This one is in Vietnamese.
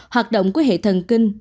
hoạt động của hệ thần kinh